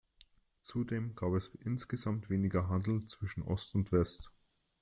Zudem gab es insgesamt weniger Handel zwischen Ost und West.